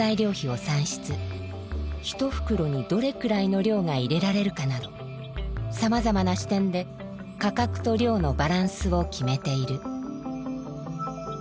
ひとふくろにどれくらいの量が入れられるかなどさまざまな視点で価格と量のバランスを決めている。